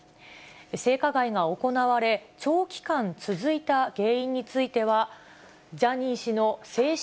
性加害が行われ、長期間続いた原因については、ジャニー氏の性し